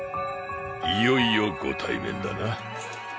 いよいよご対面だな銭